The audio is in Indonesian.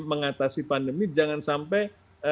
mengatasi pandemi jangan sampai